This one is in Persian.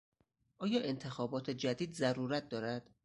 آیا انتخابات جدید ضرورت دارد؟